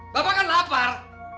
bapak kan lapar